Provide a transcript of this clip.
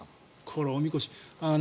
このおみこし。